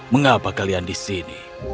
mengapa kalian di sini